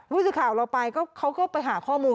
ผู้สื่อข่าวเราไปก็เขาก็ไปหาข้อมูล